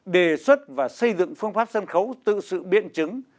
đề xuất và xây dựng phương pháp sân khấu tự sự biện chứng